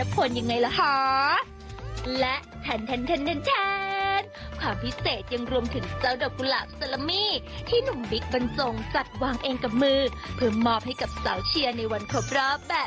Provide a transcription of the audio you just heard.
ความห้าวหายไปไหนหมดข้าเชียค่ะ